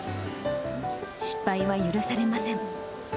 失敗は許されません。